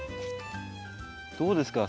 どうですか？